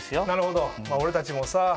なるほど俺たちもさ